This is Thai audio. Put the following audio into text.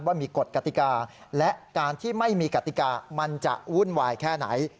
ว่ามีกฎกติกาและการที่ไม่มีกติกามันจะวุ่นวายแค่ไหน